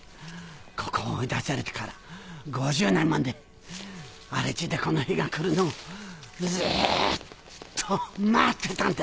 ここを追い出されてから５０年もね荒地でこの日が来るのをずっと待ってたんだ。